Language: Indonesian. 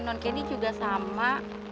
non candy juga sama